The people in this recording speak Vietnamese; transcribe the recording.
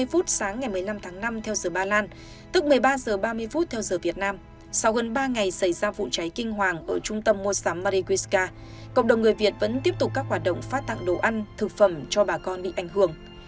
ba mươi phút sáng ngày một mươi năm tháng năm theo giờ ba lan tức một mươi ba h ba mươi theo giờ việt nam sau hơn ba ngày xảy ra vụ cháy kinh hoàng ở trung tâm mua sắm mariska cộng đồng người việt vẫn tiếp tục các hoạt động phát tặng đồ ăn thực phẩm cho bà con bị ảnh hưởng